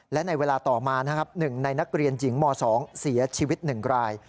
และในเวลาต่อมานะครับ๑ในนักเรียนหญิงม๒เสียชีวิต๑ราย